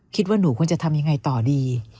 คิดว่าหนูควรจะทำยังไงต่อดี